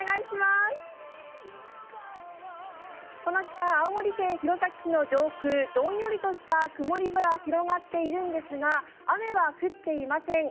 この時間、青森県弘前市の上空、どんよりとした曇り空広がっているんですが雨は降っていません。